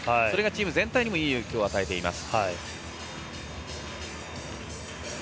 それがチーム全体にいい影響を与えています。